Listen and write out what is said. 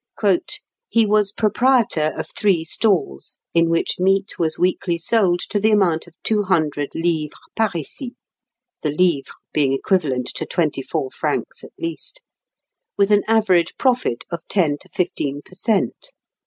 "He was proprietor of three stalls, in which meat was weekly sold to the amount of 200 livres parisis (the livre being equivalent to 24 francs at least), with an average profit of ten to fifteen per cent.